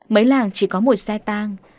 mấy làng chỉ có một xe tàng